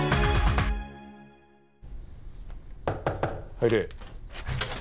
入れ。